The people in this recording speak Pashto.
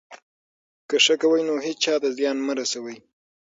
که ښه کوئ، نو هېچا ته زیان مه رسوئ.